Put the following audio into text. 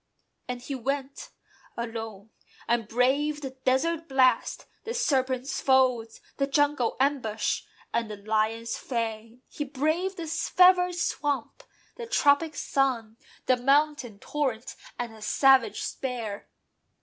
And he went, alone; And braved the desert blast, the serpent's folds, The jungle's ambush, and the lion's fang: He braved the fevered swamp, the tropic sun, The mountain torrent, and the savage spear.